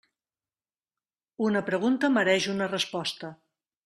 Una pregunta mereix una resposta.